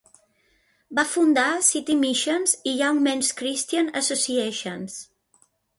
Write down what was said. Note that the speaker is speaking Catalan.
Va fundar City Missions i Young Men's Christian Associations.